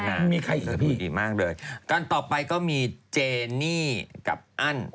ไม่มีใครอีกพี่ดูดีมากเลยตอนต่อไปก็มีเจนี่กับอัน